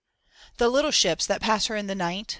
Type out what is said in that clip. The little ships that pass her in the night.